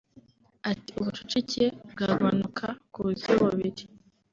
Ati “Ubucucike bwagabanuka mu buryo bubiri